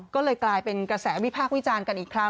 ก็เลยกลายเป็นกระแสวิพากษ์วิจารณ์กันอีกครั้ง